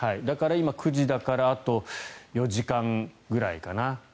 だから今、９時だからあと４時間ぐらいかな。